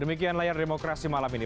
demikian layar demokrasi malam ini